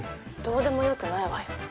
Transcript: どうでもよくないわよ。